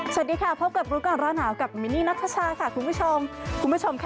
สวัสดีค่ะพบกับรู้ก่อนร้อนหนาวกับมินี่มานทชาค่ะคุณผู้ชม